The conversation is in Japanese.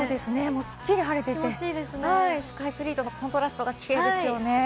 スッキリ晴れていて、スカイツリーとのコントラストがキレイですよね。